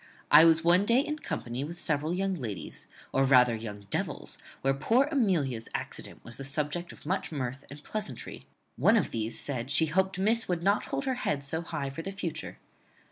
I was one day in company with several young ladies, or rather young devils, where poor Amelia's accident was the subject of much mirth and pleasantry. One of these said she hoped miss would not hold her head so high for the future.